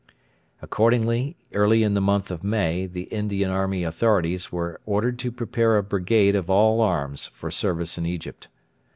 Accordingly early in the month of May the Indian Army authorities were ordered to prepare a brigade of all arms for service in Egypt.